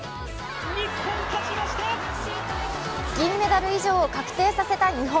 銀メダル以上を確定させた日本。